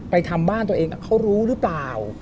ทำบ้านตัวเองเขารู้หรือเปล่า